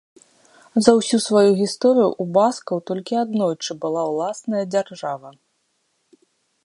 За ўсю сваю гісторыю ў баскаў толькі аднойчы была ўласная дзяржава.